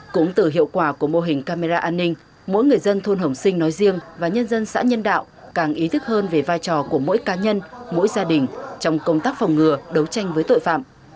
cũng từ hiệu quả của mô hình camera an ninh mỗi người dân thôn hồng sinh nói riêng và nhân dân xã nhân đạo càng ý thức hơn về vai trò của mỗi cá nhân mỗi gia đình trong công tác phòng ngừa đấu tranh với tội phạm